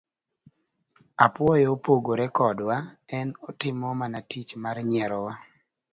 Apuoyo pogore kodwa, en otimo mana tich mar nyierowa.